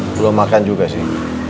belum makan juga sih